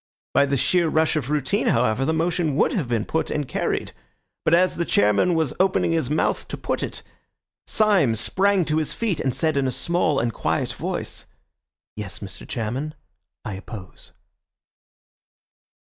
By the sheer rush of routine, however, the motion would have been put and carried. But as the chairman was opening his mouth to put it, Syme sprang to his feet and said in a small and quiet voice— "Yes, Mr. Chairman, I oppose."